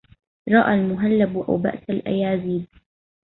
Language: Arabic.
رأي المهلب أو بأس الأيازيد